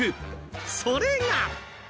それが。